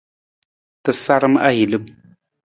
Tasaram ahilim.